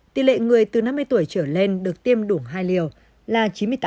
tỷ lệ người từ năm mươi tuổi trở lên được tiêm đủ hai liều là chín mươi tám